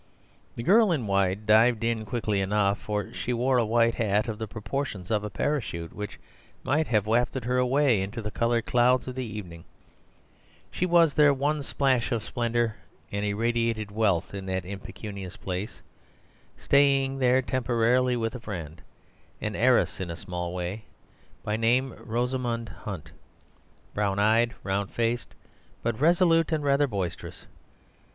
The girl in white dived in quickly enough, for she wore a white hat of the proportions of a parachute, which might have wafted her away into the coloured clouds of evening. She was their one splash of splendour, and irradiated wealth in that impecunious place (staying there temporarily with a friend), an heiress in a small way, by name Rosamund Hunt, brown eyed, round faced, but resolute and rather boisterous.